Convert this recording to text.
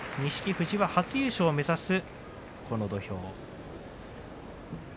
富士は初優勝を目指すこの土俵です。